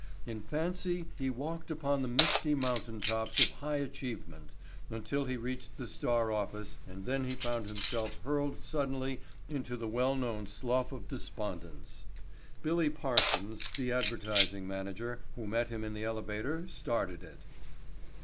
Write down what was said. In fancy he walked upon the misty mountain tops of high achievement until he reached the Star office and then he found himself hurled suddenly into the well known slough of despond. Billy Parsons, the advertising manager, who met him in the elevator, started it.